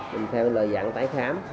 mình theo lời dặn tái khám